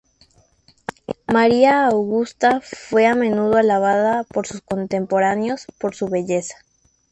María Augusta fue a menudo alabada por sus contemporáneos por su belleza.